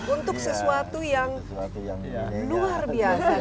untuk sesuatu yang luar biasa